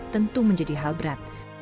tentu menjadi hal berat